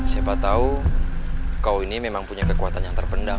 siapa tahu kau ini memang punya kekuatan yang terpendam